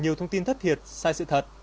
những thông tin thất thiệt sai sự thật